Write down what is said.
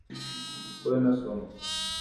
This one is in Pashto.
پوی نه شوم.